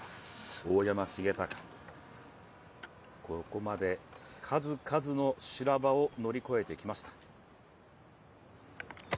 大山重隆、ここまで数々の修羅場を乗り越えてきました。